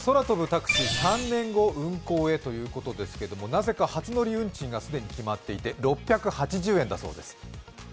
タクシー３年後運行へということですが、なぜか初乗り運賃が既に決まっていて６８０円だそうです。